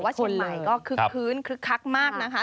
ว่าเชียงใหม่ก็คึกคลักมากนะคะ